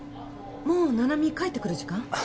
もう七海帰ってくる時間？